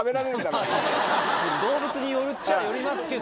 動物によるっちゃよりますけど。